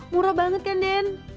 murah banget kan den